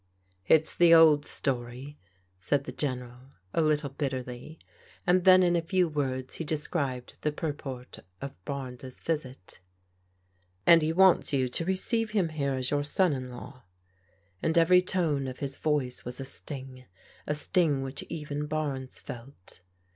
" It's the old story/' said the General a little bitterly, and then in a few words he described the purport of Barnes' visit. And he wants you to receive him here as your son in law/' and every tone of his voice was a sting, a sting which even Barnes felt.